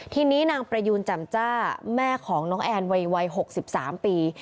ทีนี้นางประยูนจำจ้าแม่ของน้องแอนวัย๖๓ปี